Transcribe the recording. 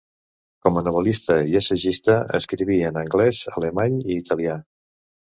Com a novel·lista i assagista, escriví en anglès, alemany i italià.